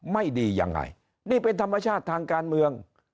ไม่ดียังไงนี่เป็นธรรมชาติทางการเมือง